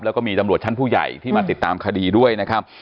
แล้วก็มีตำรวจชั้นผู้ใหญ่ที่มาติดตามคดีด้วยนะครับ